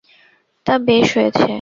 তা, বেশ হয়েছে।